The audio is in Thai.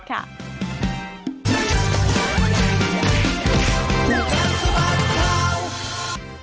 ค่ะ